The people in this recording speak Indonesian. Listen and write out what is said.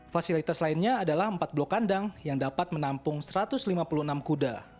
fasilitas lainnya adalah empat blok kandang yang dapat menampung satu ratus lima puluh enam kuda